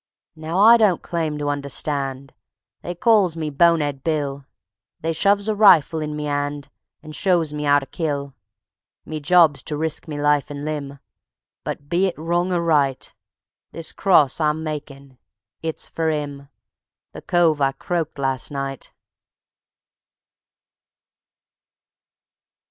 _ Now, I don't claim to understand They calls me Bonehead Bill; They shoves a rifle in me 'and, And show me 'ow to kill. Me job's to risk me life and limb, But ... be it wrong or right, This cross I'm makin', it's for 'im, The cove I croaked last night.